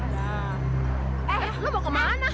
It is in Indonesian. eh lo mau kemana